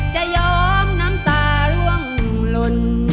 จะย้อมน้ำตาล่วงลน